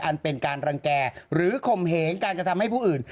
อันเป็นการรังแก่หรือข่มเหงการกระทำให้ผู้อื่น